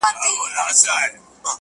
بېګا خوب وینمه تاج پر سر پاچا یم-